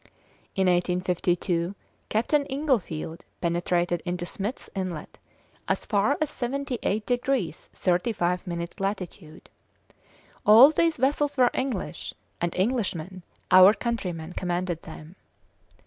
In 1852 Captain Inglefield penetrated into Smith's Inlet as far as seventy eight degrees thirty five minutes latitude. All these vessels were English, and Englishmen, our countrymen, commanded them."